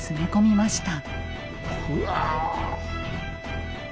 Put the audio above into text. うわ！